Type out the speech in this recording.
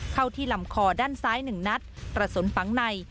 เข้าที่ลำคอด้านซ้าย๑นัดกระสุนฝังใน